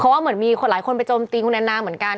เพราะว่าเหมือนมีคนหลายคนไปโจมตีคุณแอนนาเหมือนกัน